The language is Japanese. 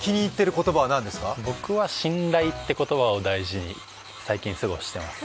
僕は信頼って言葉を大事に最近すごいしてます。